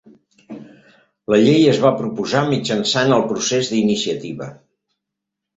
La llei es va proposar mitjançant el procés d'iniciativa.